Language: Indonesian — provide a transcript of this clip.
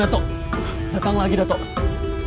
gatoh datang lagi gatoh